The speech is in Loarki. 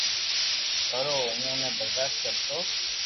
پر او اووہ ني برداݾت ڪرتو